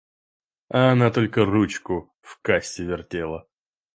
Она только ручку в кассе вертела.